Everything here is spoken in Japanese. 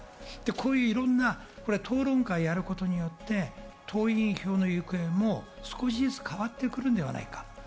いろんな討論会をやることによって、党員票の行方も少しずつ変わってくるのではないか。